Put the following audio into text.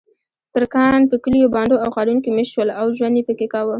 ترکان په کلیو، بانډو او ښارونو کې میشت شول او ژوند یې پکې کاوه.